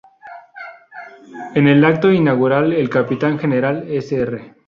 En el acto inaugural el capitán general Sr.